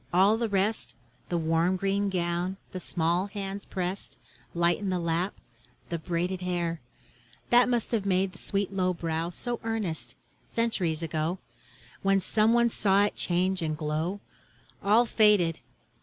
All the rest The warm green gown, the small hands pressed Light in the lap, the braided hair That must have made the sweet low brow So earnest, centuries ago, When some one saw it change and glow All faded!